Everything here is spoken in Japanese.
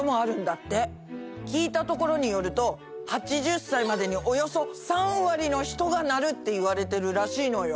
聞いたところによると８０歳までにおよそ３割の人がなるっていわれてるらしいのよ。